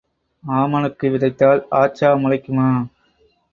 ஆமணக்கு விதைத்தால் ஆச்சா முளைக்குமா?